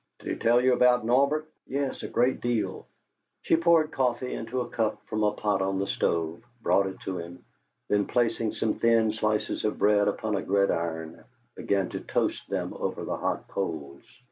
"Did he tell you about Norbert?" "Yes a great deal." She poured coffee into a cup from a pot on the stove, brought it to him, then placing some thin slices of bread upon a gridiron, began to toast them over the hot coals.